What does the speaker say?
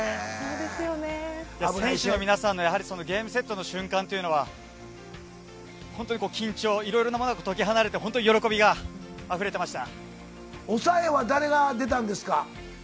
選手の皆さんのゲームセットの瞬間というのは、本当に緊張、いろいろなものが解き放たれて、喜びがあふれていま抑えは誰が出たんですか？